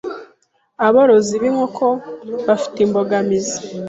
aborozi b’inkoko bafite imbogamizi